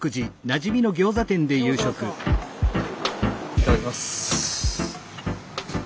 いただきます。